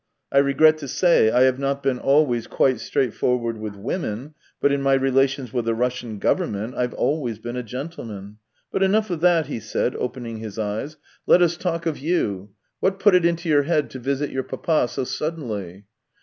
I regret to say I have not been always quite straightforward with women, but in my relations with the Russian government I've always been a gentleman. But enough of that," he said, opening his eyes; " let us talk of 264 THE TALES OF TCHEHOV you. What put it into your head to visit your papa so suddenly